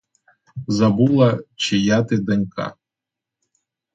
Забула, чия ти донька.